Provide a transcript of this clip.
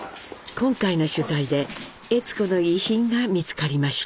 今回の取材で悦子の遺品が見つかりました。